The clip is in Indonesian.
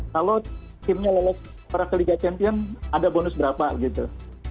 kalau timnya lolos para ke liga champion ada bonus berapa gitu